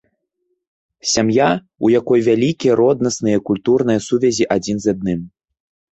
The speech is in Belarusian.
Сям'я, у якой вялікія роднасныя і культурныя сувязі адзін з адным.